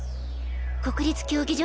国立競技場